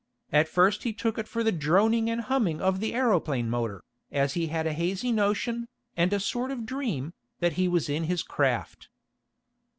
At first he took it for the droning and humming of the aeroplane motor, as he had a hazy notion, and a sort of dream, that he was in his craft.